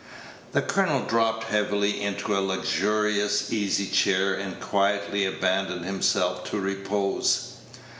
The colonel dropped heavily into a luxurious easy chair, and quietly abandoned himself to repose.